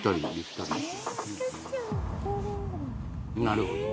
なるほど。